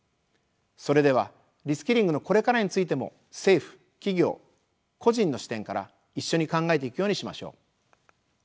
それではリスキリングのこれからについても政府・企業・個人の視点から一緒に考えていくようにしましょう。